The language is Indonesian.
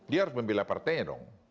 dia harus membela partainya dong